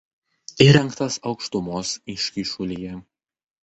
Įrengtas aukštumos iškyšulyje.